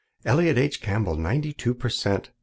'Elliott H. Campbell, ninety two per cent.'